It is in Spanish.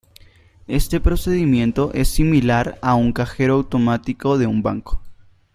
Este procedimiento es similar a un cajero automático de un banco.